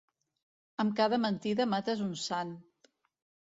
Amb cada mentida mates un sant.